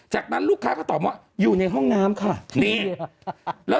จากนั้นลูกค้าก็ตอบว่าอยู่ในวันน้ำ